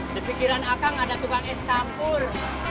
di pikiran akang ada tukang es campur